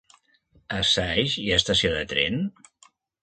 A Saix hi ha estació de tren?